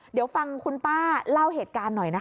เดี๋ยวฟังคุณป้าเล่าเหตุการณ์หน่อยนะคะ